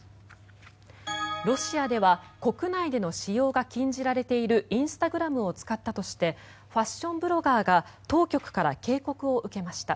ロシアでは国内での使用が禁じられているインスタグラムを使ったとしてファッションブロガーが当局から警告を受けました。